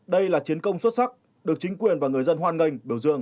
đây là chiến công xuất sắc được chính quyền và người dân hoan nghênh biểu dương